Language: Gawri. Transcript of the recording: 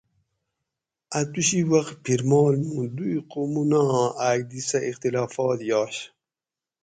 اۤ توشی وخ پھِرمال مُوں دُوئ قومونہ آں آۤک دی سہۤ اختلافات یاش